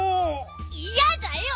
いやだよ！